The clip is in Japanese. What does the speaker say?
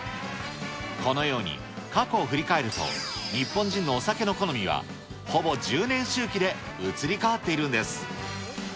このように過去を振り返ると、日本人のお酒の好みは、ほぼ１０年周期で移り変わっているんです。